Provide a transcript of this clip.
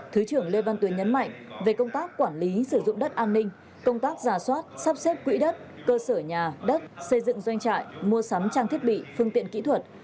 thứ trưởng lê văn tuyến nhấn mạnh về công tác quản lý sử dụng đất an ninh công tác giả soát sắp xếp quỹ đất cơ sở nhà đất xây dựng doanh trại mua sắm trang thiết bị phương tiện kỹ thuật